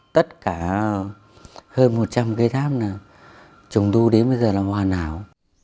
tất cả hơn một trăm linh cây tháp trùng tu đến bây giờ là hoàn hảo